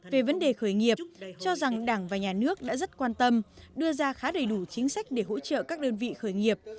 về vấn đề khởi nghiệp cho rằng đảng và nhà nước đã rất quan tâm đưa ra khá đầy đủ chính sách để hỗ trợ các đơn vị khởi nghiệp